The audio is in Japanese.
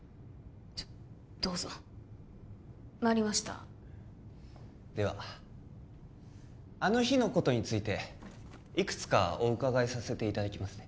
どうぞ回りましたではあの日のことについていくつかお伺いさせていただきますね